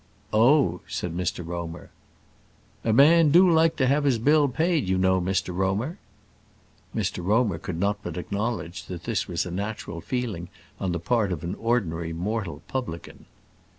"Oh!" said Mr Romer. "A man do like to have his bill paid, you know, Mr Romer." Mr Romer could not but acknowledge that this was a natural feeling on the part of an ordinary mortal publican.